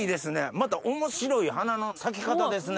また面白い花の咲き方ですね。